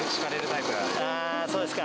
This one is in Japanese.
そうですか。